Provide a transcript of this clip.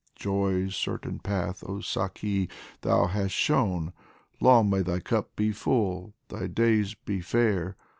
Joy's certain path, oh Saki, thou hast shown Long may thy cup be full, thy days be fair